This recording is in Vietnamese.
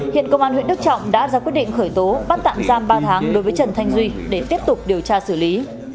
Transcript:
hiện công an huyện đức trọng đã ra quyết định khởi tố bắt tạm giam ba tháng đối với trần thanh duy để tiếp tục điều tra xử lý